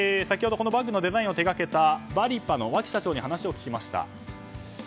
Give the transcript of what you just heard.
先ほど、このバッグのデザインを手掛けたバリパの脇社長に話を聞きました。